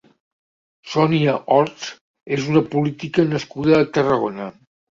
Sonia Orts és una política nascuda a Tarragona.